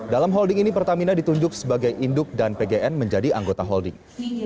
dalam holding ini pertamina ditunjuk sebagai induk dan pgn menjadi anggota holding